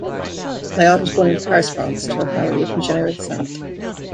Layard was born in Paris, France, to a family of Huguenot descent.